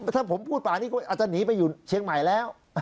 ถ้าผมพูดป่านี้ก็อาจจะหนีไปอยู่เชียงใหม่แล้ว